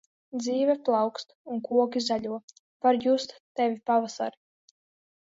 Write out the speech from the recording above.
Dzīve plaukst un koki zaļo, var just Tevi, pavasari.